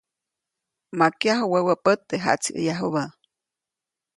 Makyaju wäwä pät, teʼ jaʼtsiʼäyajubä.